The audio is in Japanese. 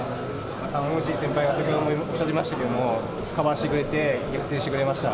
頼もしい先輩がいらっしゃいましたけど、カバーしてくれて逆転してくれました。